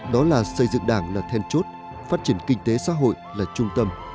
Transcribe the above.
đó là xây dựng đảng là then chốt phát triển kinh tế xã hội là trung tâm